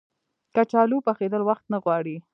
کچالو پخېدل وخت نه غواړي